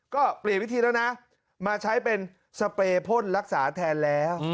ก็เปลี่ยนวิธีแล้วนะมาใช้เป็นสเปรยพ่นรักษาแทนแล้ว